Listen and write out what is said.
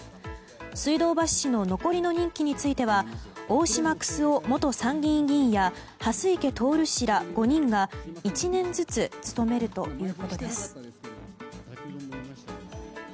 水道橋氏の残りの任期については大島九州男元参議院議員や蓮池透氏ら５人が１年ずつ務めるということです。